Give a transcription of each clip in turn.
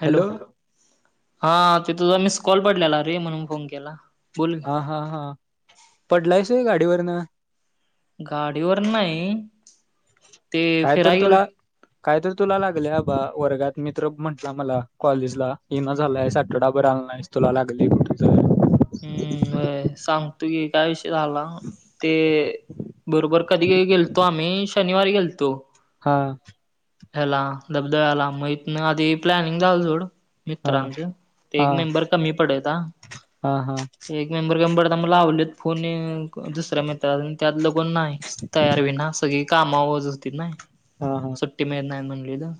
Hello. हां. ते तुझा मिस कॉल पडलेला रे म्हणून फोन केला? बोल. की. हां हां. पडलायस होय गाडीवरन? गाडीवरन नाही. ते काय तर फिराय गेल तुला काय तर तुला लागल आबा, वर्गात मित्र म्हटला मला, कॉलेजला येईना झालायस आठवडाभर आला नाहीस. तुला लागलय कुठतर? हं. व्हय सांगतो की, काय विषय झाला. ते बरोबर कधी गेलतो? आम्ही शनिवारी गेलतो. हां. ह्याला धबधब्याला. मग, इथन आधी प्लॅनिंग झालं सोड हा मित्रांचं ते हा एक मेंबर कमी पडता हा हा एक. मेंबर कमी पडता म लावलेत फोन नी. दुसऱ्या मित्रानी त्यातल कोण नाहीस तयार होईना सगळी कामावर जतीत ना. हा हा! ती मेनं नाय म्हणलेला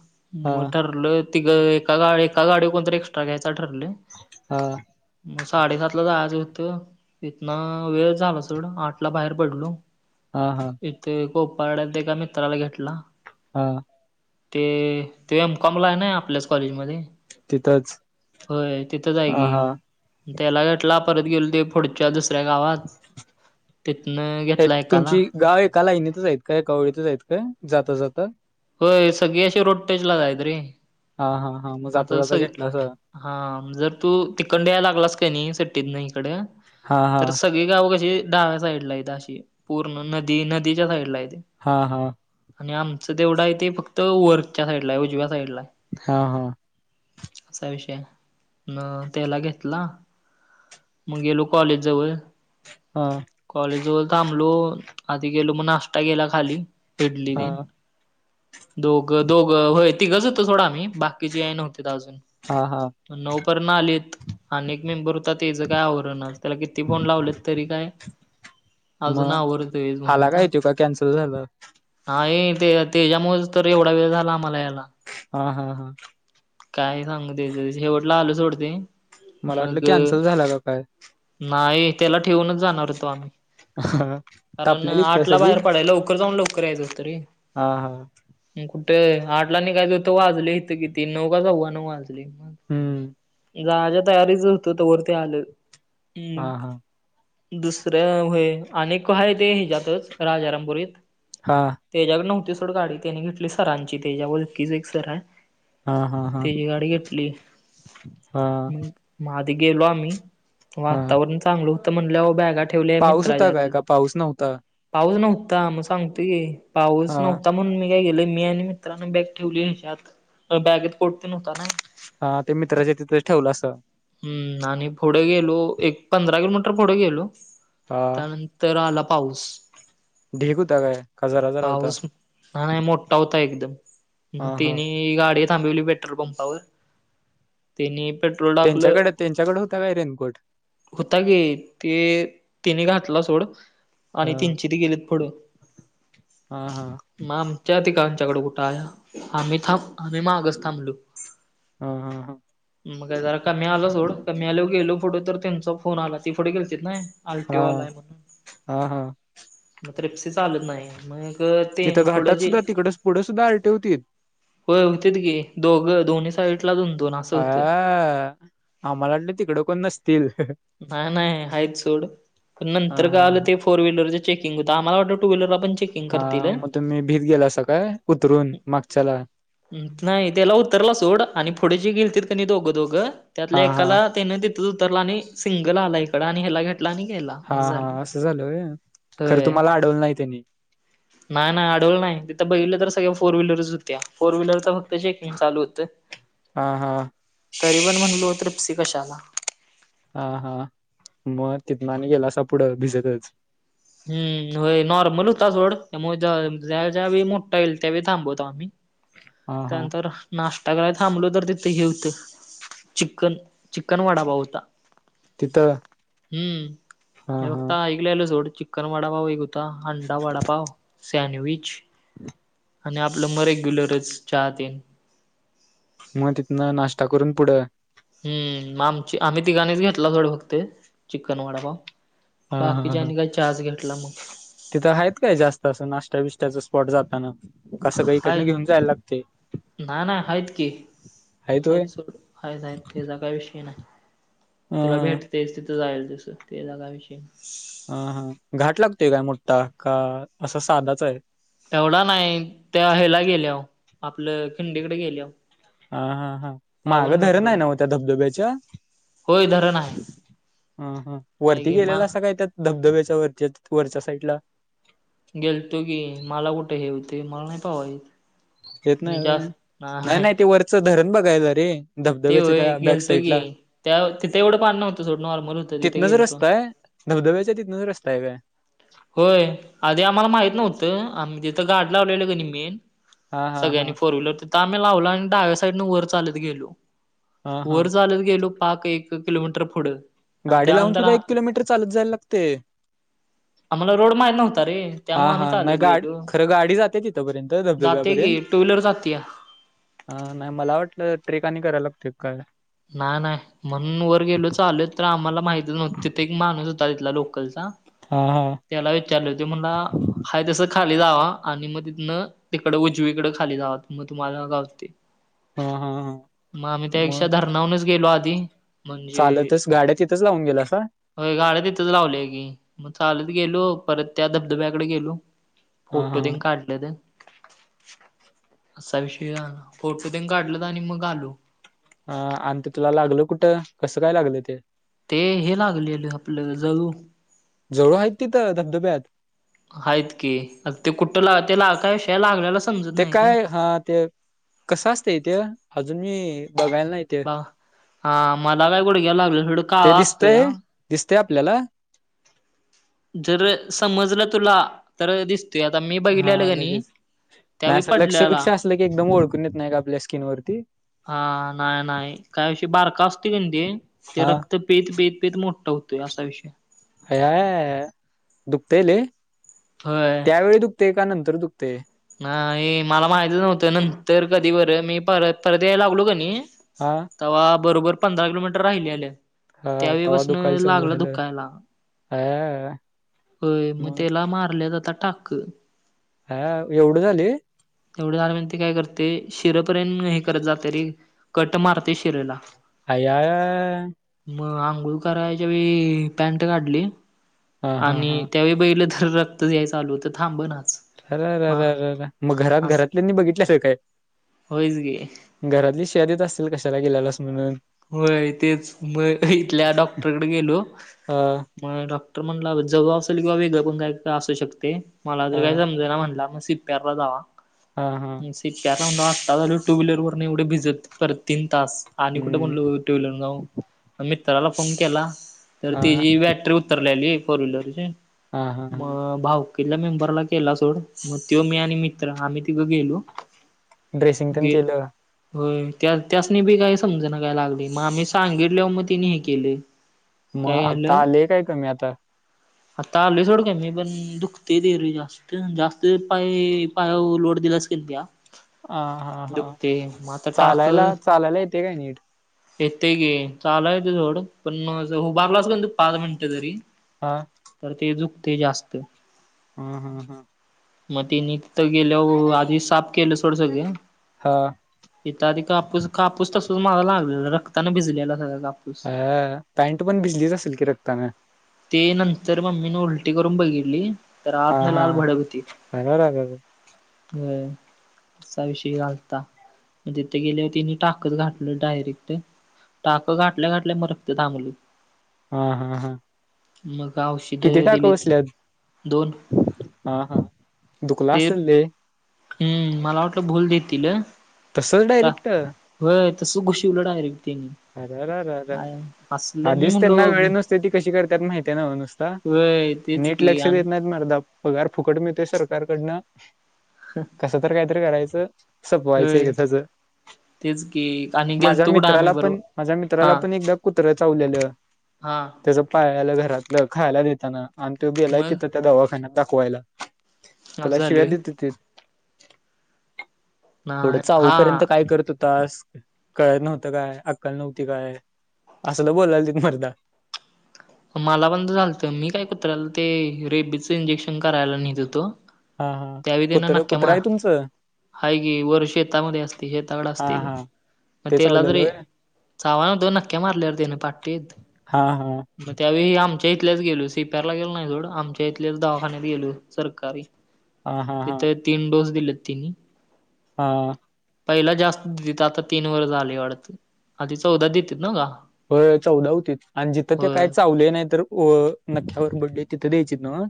हा मं ठरलं. तिघं एका गाडी, एका गाडीव कोणतरी एक्स्ट्रा घ्यायचा ठरलय. हा! म साडेसातला जायचं होतं. तिथनं वेळ झाला सोडा, आठला बाहेर पडलो. हा हा! तिथं कोपारड्यात एका मित्राला घेतला. हा! ते तो एम कॉम ला आहे ना आपल्याच कॉलेजमध्ये. तिथंच. होय तिथंच आहे हा की. हा त्याला घेटला परत गेलो ते, पुढच्या दुसऱ्या गावात. तिथनं घेतला एक. तुमची गावं एका लाईनीतच आहेत काय, एकाओळीतच आहेत काय जाता, जात? होय सगळी अशी रोड टच लाच आहेत रे. हा हा हा म जाता, आता जाता सग घेटलं अस. हा जर तू तिकंडन यायला लागलास क नही सिटी त न हीकड हा हा तर स सगळी गाव कशी डाव्या साईड ला हेत, अशी पूर्ण नदी नदीच्या साईड ला आहेेते. हा हा! आणि आमचं तेवढं आहे ते फक्त वरच्या साईडला आहे उजव्या साईड ला. हा हा! असा विषय आहे, नं त्याला घेतला मग गेलो कॉलेजजवळ. हा! कॉलेज जवळ थांबलो, आधी गेलो म नाश्ता केला खाली इडली हा हा तेन. दोघ दोघं होय तीगज होतो सोडं आम्ही, बाकीची नव्हती त अजून. हा हा! म नऊं परण आलीत अन येक मेंबर होता तेच काय आवरनाच. त्याला किती फोन लावलेत तरी काय? अजून मग आवरतोय हेज आला म्हणता. काय तो का कॅन्सल झाला हाये ते-तेच्यामुळेच तर एवढा वेळ झाला आम्हाला याला. हा हा हा! काय सांगु त्याच विषयी शेवटला आलं सोड ते. मला वाटलं मग कॅन्सल झाला का काय नाही त्याला ठेवूनच जाणार होतो आम्ही. कारण तापलेलीत का आठ ला सगळी बाहेर पडायां लवकर जाऊन लवकर यायच असंत रे. हा हा! कुठ आठला निघायचं होत, वाजले इथं किती नऊ का सव्वा नऊ वाजले. हूं! जायां च्या तयारीच होतो, त वरती आलं हा मग. हा दुसऱ्या होय, अनं एक आहे ते ह्यांच्यातच राजारापुरीत. हा! तेज्याकड नव्हती सोड गाडी त्यानी घेतली सरांची त्येज्या वळखीचं एक सर हाय. हा हा हा तेजी गाडी घेतली. हा मग म आधी गेलो आम्ही हा वातावरण चांगलं होत म्हणल्याव बॅगा ठेवल्या पाऊस होता काय मित्राच्यातच. का पाऊस नव्हता पाऊस नव्हता म सांगतूय की पाऊस हा नव्हता म्हणून मी मी काय केलं मी आणि मित्रांने बॅग ठेवली हेच्यात बॅगेत कोट ते न हुता ना. हा ते मित्राच्या तिथच ठेवलं असं. हम्म, आणि पुढ गेलो एक पंधरा किलोमीटर पुढ गेलो हा त्यानं तर आला पाऊस. ढीग होता काय का जरा जरा होता पाऊस नाय नाय मोठा होता एकदम म हा हा तेनी गाडी थांबीवली पेट्रल पंपावर तेनी पेट्रोल टाकलं त्यांच्याकड त्यांच्याकड हुता काय रेनकोट? हुंता की ते तेनी घातला सोड. हा आणि त्यांनची ची ती गेलीत पुढ, हा हा म आम च्या तिघांच्याकड कुठं आया आम्ही थांब आम्ही मागच थांबलू. हा हा हा. मग जरा कमी आला सोड कमी आल्याव गेलो पुुढं तर त्यांचा फोन आला ती पुढ गेलतीत नाय आर टी हा ओ आलाय म्हणून हा हा मग ट्रिप्सी चालत नाय. मग ते तिथ पुढं घाटात जे सुद्धा तिकडच पुढं सुद्धा आर टी ओ हुती? होय हुंतीत की दोघं दोन्ही साईड ला दोन दोन. असं होतं. आयायय आम्हाला वाटलं तिकड कोण नसतील. नाय नाय हायत सोड पण हा नंतर हा कळालं ते हा. फोर व्हीलरच चेकिंग हुंत आम्हाला वाटलं टू व्हीलरला पण चेक हां मग तुम्ही भीत गेलासा काय उतरून मागच्याला? नाय त्याला उतरला सोड आणि पुढ जी गेलतीत क नी दोघं दोघं हा त्यातल्या हा एकाला तेन तिथंच उतरला आणि सिंगल आला हिकडं आणि ह्याला घे तला आणि गेला हा अस झालं हा असं झालं व्हय. खरं होय. तुम्हाला अडवलं नाही त्यांनी नाय नाय न आडवलं नाय तिथं बघितलं तर सगळ्या फोर व्हीलरच हुंत्या फोर व्हीलरच फ क्त- चेकिंग चालू होत हा हा तरी पण म्हणलो ट्रिप्सी कशाला. हां हां म तिथन आणि गेलासा पुढं भिजतच? हम्म, होय नॉर्मल हुंता सोड त्यामूळ ज्या ज्या वेळी मोठा येईल त्या वेळी थांबवतो आम्ही. हा हा त्यानंतर नाष्टा करायला थांबलो तर तिथं हे हुतं. चिकन चिकन वडापाव हुंता तिथं हम्म, हा हे हा. फक्त ऐकलेलं सोडं चिकन वाडापाव एक हुं ता, अंडा वडापाव, सँडविच [inaudible] आणि आपलं म रेग्युलरच चहा ते. म तिथनं नाष्टा करून पुढं? हम्म, म आमची आम्ही तिघांनीच घेतला सोड फक्त चिकन वडापाव. हा हा हा. बाकीच्यानी काय चहाच घेतला मग. तिथं हायत काय जास्त असं नाष्टा बिष्ट्याच स्पॉट जाताना? का सगळं हाय इकडण घीवून जायला लागतय? हायत सोड हायत हायत त्याजा काय विषय नाय. हा तुला हा भेटतयच तिथं जाईल तसं तेचा काय विषय नाय. हां हां घाट लागतोय काय मोठा का असं साधाच आहे तेवढा नाही त्या हेला गेल्यावर आपलं खिंडीकडे गेल्यावर हां हां हां मागं धरण आहे नव्ह त्या धबधब्याच्या होय धरण आहे हां हां आहे वरती की मा गेलेलासा काय त्यात धबधब्याच्या वरच्या वरच्या साईडला गेलतो की मला कुठं हे होते मला नाही पोहायला येत येत नाही होय नाही नाही ते वरचं धरण बघायला रे ते धबधब्याच्या होय त्या बॅक गेलतो की साईडला त्या तिथं एवढं पाणी नव्हतं सोड नॉर्मल होतं तिथं तिथनंच गेलतो रस्ता आहे धबधब्याच्या तिथनच रस्ता आहे होय होय आधी आम्हाला माहित नव्हतं आम्ही तिथं गाडी लावलेलं की नाही मी हा हा हा सगळ्यांनी फोर व्हीलर तिथं आम्ही लावला आणि डाव्या साईडनं वर चालत गेलो हा हा वर चालत गेलो पाक एक किलोमीटर पुढं आणि गाडी लावून त्यानंतर सुद्धा एक किलोमीटर चालत जायला लागतंय आम्हाला रोड माहीत नव्हता रे हा त्यामुळं हा आम्ही नाही चालत गाडी गेलो खरं गाडी जाते तिथंपर्यंत जाते धबधब्यापर्यंत की टू व्हीलर जात्या हां नाही मला वाटलं ट्रेक आणि करायला लागते काय नाही नाही म्हणून वर गेलो चालत तर आम्हाला माहितच नव्हत तिथं एक माणूस होता तिथला लोकलचा हां हां त्याला विचारलो तो म्हणला आहे तसं खाली जावा आणि मग तिथनं तिकडं उजवीकडे खाली जावा मग तुम्हाला गावतंय हा हा हा मग आम्ही त्या मग धरणावरूनच गेलो आधी चालतच गाड्यात तिथं लावून गेला अस हो गाड्या तिथंच लावल्या की मग चालत गेलो परत त्या धबधब्याकडे गेलो. हा फोटो हा तेन काढलं. असा विषय झाला ना, फोटो दे काढल तर आणि मग आलो. अ आणि ते तुला लागल कुठं कसं काय लागलं ते,, ते हे लागलेले आपल्या जळू, जळू आहेत तिथं धबधब्यात,, आहेत की ते कुठं ला ते कायश लागल्याला- ते काय हा ते कसं असत इथे अजून मी बघायला नाही ते,, बा हा मला काय गुड घ्याला लागलड ते दिसतय दिसतय आपल्याला- जर समजलं तुला तर दिसतोय आता मी बघले हा आलं ग नाही लगेच नाही असं लक्षबिक्ष असलं की एकदम ओळखून येत नाही का आपल्या स्किन वरती हा नाही नाही का विषय बारका असते का ते ते हा रक्त पित पित पित मोठा होतोय असा विषय अया अया दुखतय लय? होय त्यावेळी दुखते का नंतर दुखते नाही मला माहित नव्हतं नंतर कधी बरं मी परत परत यायला लागलो का नाही हा तेव्हा बरोबर पंधरा किलोमीटर राहिलेले हा तवा त्यावेळीपसन दुखायला चालू लागलं झालं दुखायला हा होय मग त्याला मारल्या आता टाक हां एवढं झालय. तेवढं झालं म्हणजे ते काय करतेय शिरपर्यंत हे करत जातयरे कट मारतय रे शिरला. अया अया य मग आंघोळ करायच्या वेळी पॅन्ट काढली हा हा हा आणि त्यावेळी, बघितलं तर रक्तच यायचं चालू होतं थांबनाच अरं अरं मा अरं मग घरात अस घरातल्यांनी बघितल्यास काय होयच गे घरातली शिव्या देत असतील, कशाला गेलेल्यास म्हणून, होय तेच म इथल्या डॉक्टरकडे गेलो. हा मग डॉक्टर म्हणला जळु असेल किंवा वेगळपण कायतर असू शकतयं. मला हा तरी काय समजना म्हटला मग सि पी आर ला जावा. हा हा. सी पी आर म्हणल्यावर, आत्ताच आलोय टू व्हीलर वर एवढे भिजत परत तीन तास आणि कुठं म्हणलो हम्म टू व्हीलर वरनं जाऊ मित्राला फोन केला. तर हा त्याची बॅटरी उत्तरलेली फोर व्हीलरची हा हा हा मग भाऊ कीतल्या मेंबरला केला सोड मग तो मी आणि मित्र आम्ही तिघं गेलो ड्रेसिंग तेन गे केलं? होय त्या त्यासनी बी काही समजना काय लागलंय मग आम्ही सांगितल्यावर मग तिनी हे केलंय. मग आता आलंय काय कमी आता? आता आलंय सोडं कमी पण दुखतयं ते रे जास्त. जास्त पाय पायावर लोड दिलास कनी त्या हा हा हा दुखते मग आता चालायला चालायला येतंय काय नीट? येतंय की, चालायं येतंय सोड पण असं उभारलास कनी पाच मिनटं जरी हा तर ते दुखतंय जास्त. हा हा हा. मग तिनी तिथं गेल्याव आधी साफ केलं थोडं सगळं, हा. इथं आधी कापूस कापूस तसंच मला लावलेला रक्तानं भिजलेला सगळा कापूस. अयायाया पॅन्ट पण भिजलीच असेल की रक्तानं. ते नंतर मम्मीनं उलटी करून बघितली तर हा आतंन हा लाल भडक हूती. अर होय असा विषय झालता, म तिथं गेल्यावर तिनी टाकच घा टल डायरेक्ट टाक घाटल्या घाटल्या म रक्त थांबलं. हां हां हां. मग किती औषधं टाकं दिलीत बसल्यात? दोन हा हा. दुखलं ते असलं लय. हम्म मला वाटलं भूल देतील. तसंच टा डायरेक्ट होय तस घुशीवल डायरेक्ट त्यांनी. अरररर आय असलं मी आधीचं म्हणलो त्यांना वेळ नुसतोय ती कशी करत्यात माहिती आहे नव्हं नुस ता होय तेच नीट की लक्ष आणि देत नाहीत मर्दा पगार फुकट मिळतोय सरकारकडनं कसंतर काहीतरी करायचं सपवायचं होय एकदाचं, तेच की आणि माझ्या गेलतो कुठं आम्ही मित्राला पण बरोबर माझ्या मित्राला हा पण एकदा कुत्रं चावलेलं हा त्याच पाळलेलं घरातलं खायला देताना आणि तो गेलाय मग तिथं त्या दवाखान्यात दाखवायला असं त्याला शिव्या झालोय देत हुतीत येवढं नाय चावू हा पर्यंत काय करत होतास? कळत नव्हतं काय? आ कल नव्हती काय? असंल बोलालतीत मर्दा. मला पण तस झालत, मी काय कुत्र्याला ते रेबीचं इंजेक्शन करायला निेत होतो हा हा, त्यावेळी त्यानं कुत्र नक्क्या कुत्र मार हाय तुमचं? हाय की वर शेतामध्ये असतय शेताकड हा असतय ते. हा म ते तेला चावलेलं तरीे होय चावाय नव्हतं नक्क्या मारल्या रे तेन पाटीत हा हा. मग त्यावेळी आमच्या इथल्याच गेलो सी पी आर ला गेलो नाही सोड, आमच्या इथल्याच दावाखान्यात गेलो सरकारी. हा हा हा तिथं तीन डोस दिलत तिनी. हा. पहिला जास्त दितीत, आता तीन वरच आलय वाटतं आधी चौदा दितीत नव का? होय चौदा होतीत, आणि जिथं ते होय. काही चावलय नाही तर अ नख्या वरबडलय तिथं द्यायचीत नव?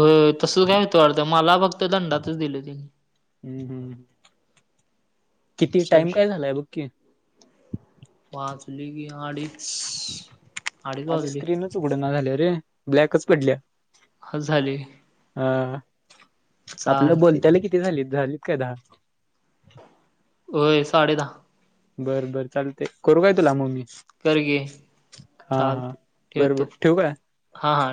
अ तस काय होतं वाटतं, मला फक्त दंडातच दिलं ते. हम्म हम्म. किती टाइम काय झालाय बघ की? वाजलय की आडीज माझी स्क्रीनच उघड ना झाली या रे, ब्लॅकच पडल्या. ख झालय अ आपल चालते. बोलत्याल किती झालीत, झालीत का दहा? होय साडे दहा. बरं बरं चालतय, करू काय तुला म मी? कर की हा हा चालते बर ठेवतो. बर ठेवू काय? हा हा.